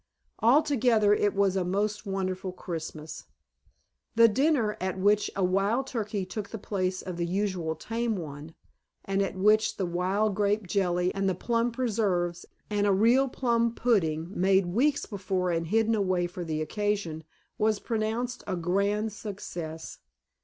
Altogether it was a most wonderful Christmas. The dinner, at which a wild turkey took the place of the usual tame one, and at which the wild grape jelly and the plum preserves and a real plum pudding (made weeks before and hidden away for the occasion), was pronounced a grand success.